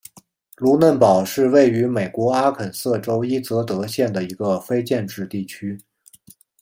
卢嫩堡是位于美国阿肯色州伊泽德县的一个非建制地区。